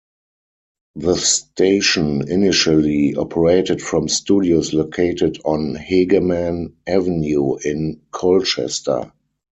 The station initially operated from studios located on Hegeman Avenue in Colchester.